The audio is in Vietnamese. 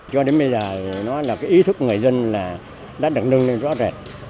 cho đến bây giờ nó là cái ý thức người dân là đã được nâng lên rõ rệt